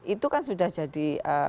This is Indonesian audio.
itu kan sudah jadi